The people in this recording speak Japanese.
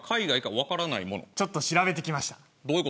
ちょっと調べてきました。